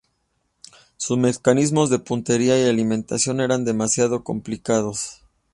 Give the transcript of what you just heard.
Sus mecanismos de puntería y alimentación eran demasiado complicados.